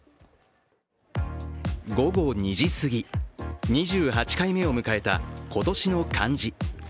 午後２時すぎ、２８回目を迎えた今年の漢字。